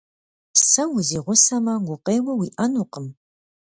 Сэ узигъусэмэ, гукъеуэ уиӏэнукъым.